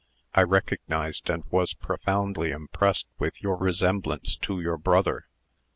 I recognized and was profoundly impressed with your resemblance to your brother.